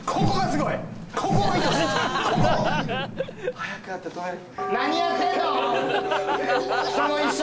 速くやって止める。